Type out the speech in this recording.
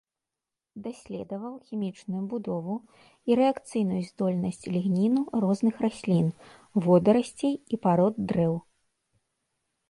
Даследаваў хімічную будову і рэакцыйную здольнасць лігніну розных раслін, водарасцей і парод дрэў.